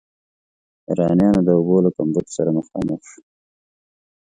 ایرانیانو د اوبو له کمبود سره مخامخ شو.